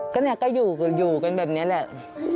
แค่นี้ก็อยู่อยู่กันแบบนี้แหละ